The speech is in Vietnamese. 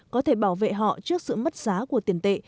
có thể bảo vệ họ trước sự mất giá của tiền tệ